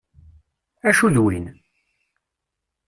Acu d win?